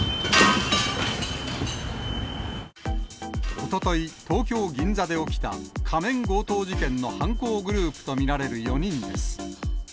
おととい、東京・銀座で起きた仮面強盗事件の犯行グループと見られる４人です。